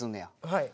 はい。